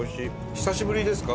久しぶりですか？